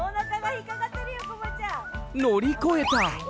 乗り越えた！